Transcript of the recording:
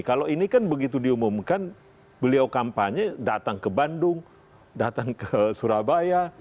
kalau ini kan begitu diumumkan beliau kampanye datang ke bandung datang ke surabaya